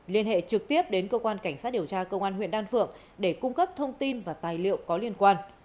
liên hệ trực tiếp đến cơ quan cảnh sát điều tra công an huyện đan phượng để cung cấp thông tin và tài liệu có liên quan